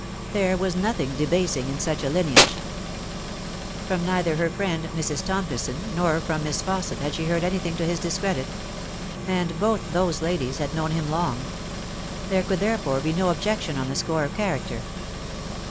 There was nothing debasing in such a lineage. From neither her friend Mrs. Tomkison nor from Miss Fausset had she heard anything to his discredit ; and both those ladies had known him long. There could therefore be no objection on the score of character.